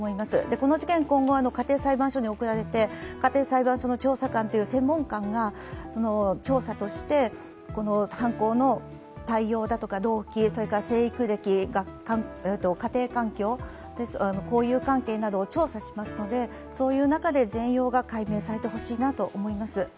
この事件、今後、家庭裁判所に送られて調査官という専門官が調査として犯行の対応だとか動機それから生育歴家庭環境、交友関係などを調査しますのでそういう中で全容が解明されてほしいと思います。